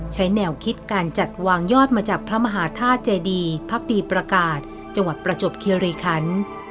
ใช้แนวคิดการจัดวางยอดมาจากพระมหาธาตุเจดีพักดีประกาศจังหวัดประจบคิริคัน